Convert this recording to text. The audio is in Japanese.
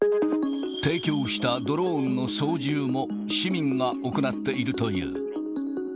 提供したドローンの操縦も、市民が行っているという。